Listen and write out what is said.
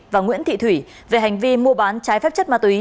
và nguyễn thị thủy về hành vi mua bán trái phép chất ma túy